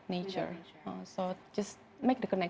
jadi hanya membuat hubungan